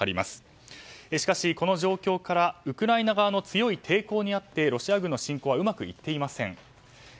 しかし、この状況からウクライナ側の強い抵抗に遭ってロシア軍の侵攻はうまくいっていません。